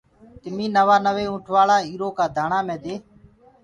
تميٚ نوآنوي اُنٚٺوآݪا ايٚرو ڪآ دآڻآ مي دي